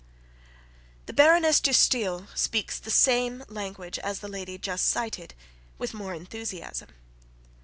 The Baroness de Stael speaks the same language as the lady just cited, with more enthusiasm.